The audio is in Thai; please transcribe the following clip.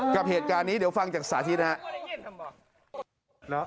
กับเหตุการณ์นี้เดี๋ยวฟังจากสาธิตนะครับ